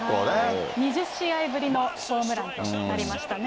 ２０試合ぶりのホームランになりましたね。